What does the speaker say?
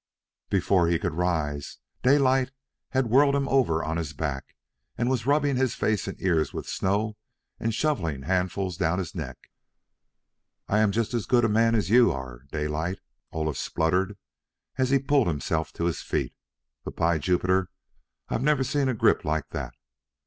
Before he could rise, Daylight had whirled him over on his back and was rubbing his face and ears with snow and shoving handfuls down his neck. "Ay ban yust as good a man as you ban, Daylight," Olaf spluttered, as he pulled himself to his feet; "but by Yupiter, I ban navver see a grip like that."